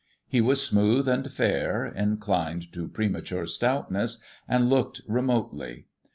He was smooth and fair, inclined to premature stoutness, and looked remotely.